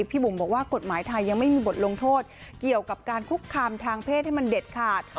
บุ๋มบอกว่ากฎหมายไทยยังไม่มีบทลงโทษเกี่ยวกับการคุกคามทางเพศให้มันเด็ดขาด